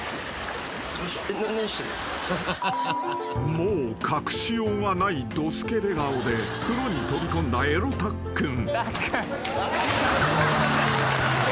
［もう隠しようがないドスケベ顔で風呂に飛び込んだエロたっくん］